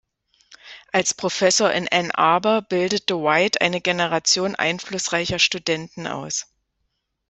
Als Professor in Ann Arbor bildete White eine Generation einflussreicher Studenten aus.